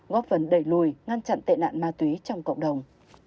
góp phần đẩy lùi ngăn chặn tệ nạn ma túy trong cộng đồng